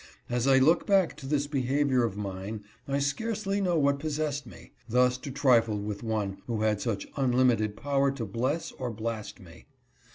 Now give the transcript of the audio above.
As I look back to this behavior of mine, I scarcely know what possessed me, thus to trifle with one who had such unlimited power to bless or blast me.